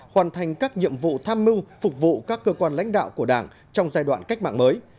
hoàn thành các nhiệm vụ tham mưu phục vụ các cơ quan lãnh đạo của đảng trong giai đoạn cách mạng mới